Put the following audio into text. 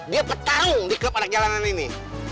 dia bertarung di klub anak jalanan ini